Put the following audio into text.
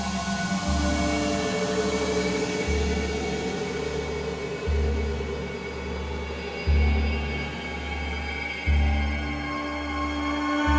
ชื่อฟอยแต่ไม่ใช่แฟง